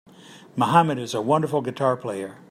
Mohammed is a wonderful guitar player.